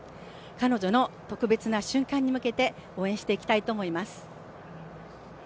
彼女の特別な瞬間に向けて応援していきたいと思います。